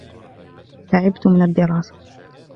تعبتُ من الدراسة.